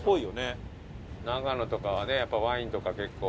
長野とかはねやっぱりワインとか結構。